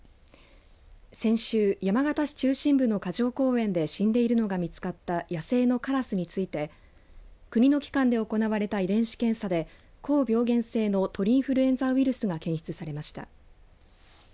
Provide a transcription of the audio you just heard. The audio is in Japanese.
先週、山形市中心部の霞城公園で死んでいるのが見つかった野生のからすについて国の機関で行われた遺伝子検査で、高病原性の鳥インフルエンザウイルスが検出されました。